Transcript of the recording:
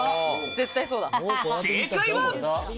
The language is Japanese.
正解は。